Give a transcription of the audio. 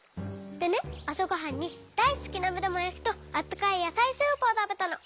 でねあさごはんにだいすきなめだまやきとあったかいやさいスープをたべたの。